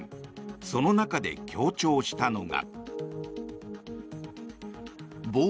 その中で強調したのが。